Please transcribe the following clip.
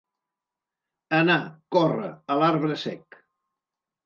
Anar, córrer, a l'arbre sec.